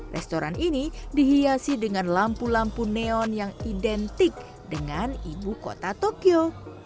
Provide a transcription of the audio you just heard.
restoran ini dihiasi dengan lampu lampu neon yang identik dengan ibu kota tokyo